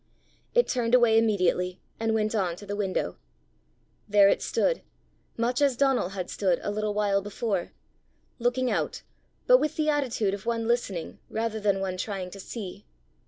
It turned away immediately, and went on to the window. There it stood, much as Donal had stood a little while before looking out, but with the attitude of one listening rather than one trying to see.